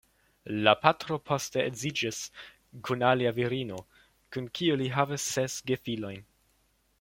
La patro poste edziĝis kun alia virino, kun kiu li havis ses gefilojn.